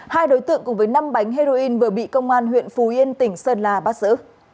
hai đối tượng cùng với năm bánh heroin vừa bị công an huyện phù yên tỉnh sơn la bắt giữ